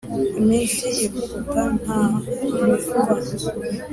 Iminsi ivuguta nta muvuba.